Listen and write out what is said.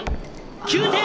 ９点！